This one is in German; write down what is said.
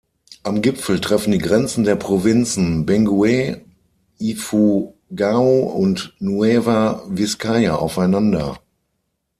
Am Gipfel treffen die Grenzen der Provinzen Benguet, Ifugao und Nueva Vizcaya aufeinander.